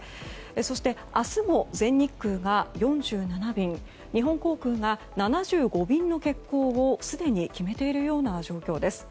そして、明日も全日空が４７便日本航空が７５便の欠航をすでに決めている状況です。